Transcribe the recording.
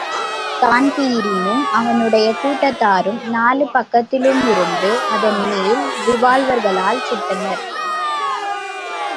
தான்பிரீனும் அவனுடைய கூட்டத்தாரும் நாலு பக்கத்திலுமிருந்து அதன் மேல் ரிவால்வர்களால் சுட்டனர்.